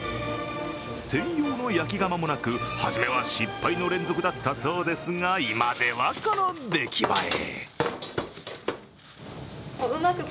専用の焼き窯もなく、初めは失敗の連続だったそうですが今ではこの出来栄え。